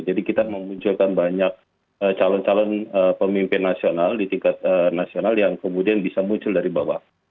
jadi kita memunculkan banyak calon calon pemimpin nasional di tingkat nasional yang kemudian bisa muncul dari bawah